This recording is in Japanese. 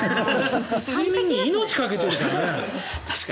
睡眠に命をかけてるからね。